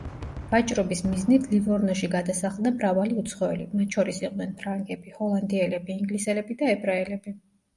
ვაჭრობის მიზნით ლივორნოში გადასახლდა მრავალი უცხოელი, მათ შორის იყვნენ ფრანგები, ჰოლანდიელები, ინგლისელები და ებრაელები.